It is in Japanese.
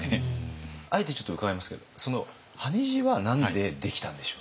あえてちょっと伺いますけど羽地は何でできたんでしょう。